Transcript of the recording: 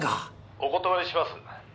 「お断りします」